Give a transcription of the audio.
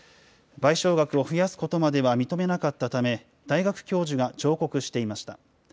賠償額を増やすことまでは認めなかったため、大学教授が上告していました。